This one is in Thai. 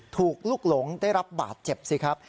ลูกหลงได้รับบาดเจ็บสิครับ